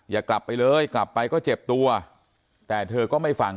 อย่ากลับไปเลยกลับไปก็เจ็บตัวแต่เธอก็ไม่ฟัง